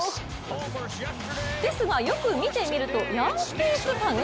ですがよく見てみるとヤンキースファン？